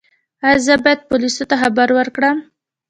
ایا زه باید پولیسو ته خبر ورکړم؟